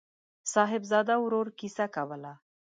صاحبزاده ورور کیسه کوله.